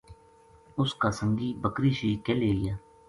اُس کا سنگی بکری شیک کے لے گیا